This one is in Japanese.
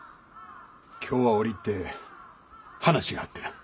今日は折り入って話があってな。